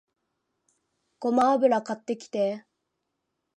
ごま油買ってきて